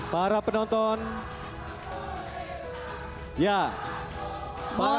para penonton para pendukung